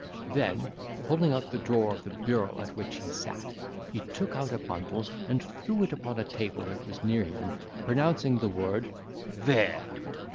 Then pulling out the drawer of the bureau at which he sat, he took out a bundle, and threw it upon a table that was near him, pronouncing the word, "There!"